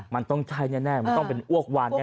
มันต้องใช่แน่มันต้องเป็นอ้วกวานแ